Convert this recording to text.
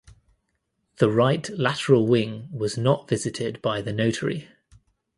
The right lateral wing was not visited by the notary.